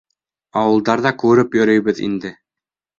Ауылдарҙа күреп йөрөйбөҙ инде...